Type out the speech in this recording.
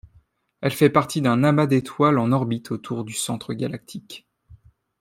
Elle fait partie d'un amas d'étoiles en orbite autour du centre galactique.